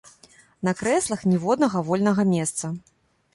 На крэслах ніводнага вольнага месца.